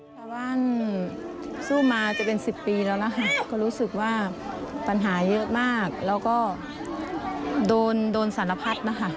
ชาวบ้านสู้มาจะเป็น๑๐ปีแล้วนะคะก็รู้สึกว่าปัญหาเยอะมากแล้วก็โดนโดนสารพัดนะคะ